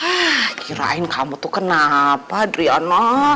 heh kirain kamu tuh kenapa adriana